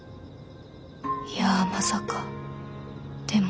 いやまさかでも。